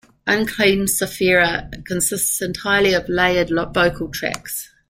"Unclean Sephira" consists entirely of layered vocal tracks.